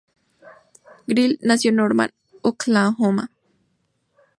Gill nació en Norman, Oklahoma.